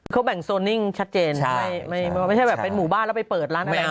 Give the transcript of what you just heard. เขาแบ่งโซนิ่งชัดเจนไม่ใช่แบบเป็นหมู่บ้านแล้วไปเปิดร้านแมว